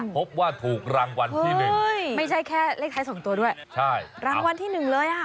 พบว่าถูกรางวัลที่๑ไม่ใช่แค่เลขไทย๒ตัวด้วยรางวัลที่๑เลย